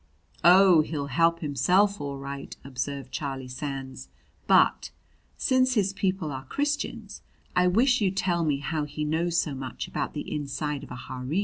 "Oh, he'll help himself all right!" observed Charlie Sands. "But, since his people are Christians, I wish you'd tell me how he knows so much about the inside of a harem!"